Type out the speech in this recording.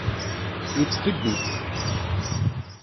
Yettḥibbi-tt.